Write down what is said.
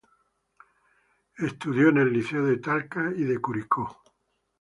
Estudió en el Liceo de Talca y de Curicó.